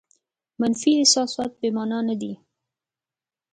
منفي احساسات بې مانا نه دي.